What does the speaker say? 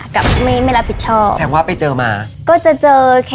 กับไม่มารับผิดชอบ